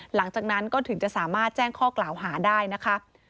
หลังจากนั้นก็ถึงจะสามารถแจ้งข้อกล่าวหาได้นะคะ